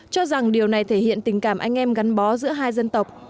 cho rằng điều này thể hiện tình cảm anh em gắn bó giữa hai dân tộc